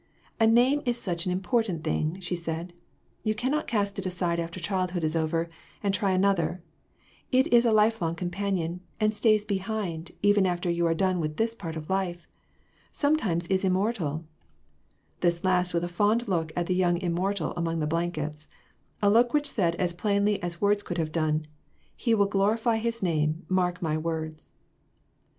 " A name is such an import ant thing," she said. "You cannot cast it aside after childhood is over, and try another; it is a life long companion, and stays behind, even after you are done with this part of life ; sometimes is immortal^' This last with a fond look at the young immortal among the blankets; a look which said as plainly as words could have done " He will glorify his name ; mark my words